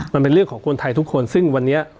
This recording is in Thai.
มันเป็นเรื่องของคนไทยทุกคนซึ่งวันนี้